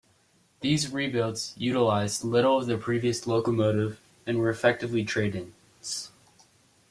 These rebuilds utilised little of the previous locomotives and were effectively trade-ins.